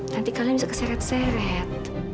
nanti kalian bisa keseret seret